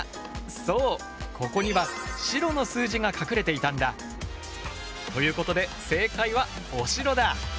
そうここには白の数字が隠れていたんだ！ということで正解は「おしろ」だ！